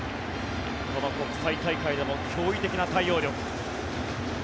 この国際大会でも驚異的な対応力。